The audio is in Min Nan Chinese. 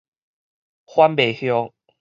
番麥葉